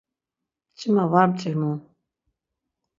Mç̌ima var mç̌imu.